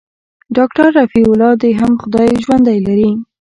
ډاکتر رفيع الله دې هم خداى ژوندى لري.